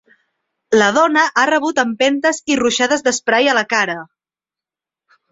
La dona ha rebut empentes i ruixades d’esprai a la cara.